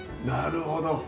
なるほど。